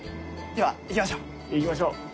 では行きましょう。